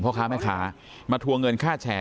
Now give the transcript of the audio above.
ท่านดูเหตุการณ์ก่อนนะครับ